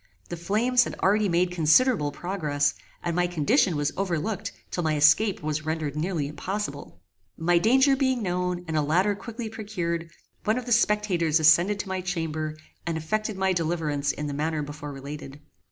The flames had already made considerable progress, and my condition was overlooked till my escape was rendered nearly impossible. My danger being known, and a ladder quickly procured, one of the spectators ascended to my chamber, and effected my deliverance in the manner before related.